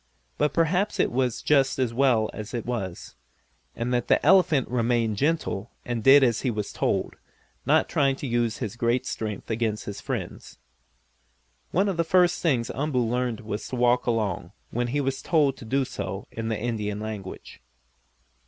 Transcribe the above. But perhaps it was just as well as it was, and that the elephant remained gentle and did as he was told, not trying to use his great strength against his friends. One of the first things Umboo learned was to walk along, when he was told to do so in the Indian language.